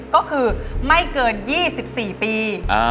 ก็คือไม่เกิน๒๔ปี